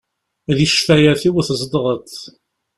Di ccfayat-iw tzedɣeḍ.